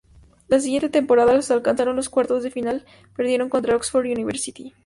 La siguiente temporada alcanzaron los cuartos de final perdiendo contra Oxford University.